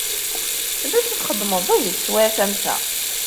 D acu txeddmeḍ da deg teswiɛt am ta?